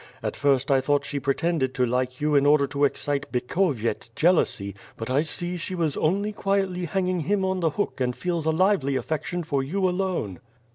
At first I thought she pretended to like you in order to excite Bykho viets' jealousy, but I see she was only quietly hanging him on the hook and feels a lively affection for you alone."